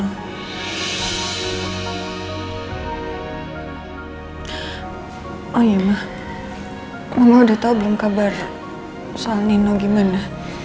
hai hai hai hai hai hai oh iya mah mama udah tahu belum kabar soal nino gimana